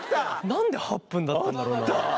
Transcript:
何で８分だったんだろうな。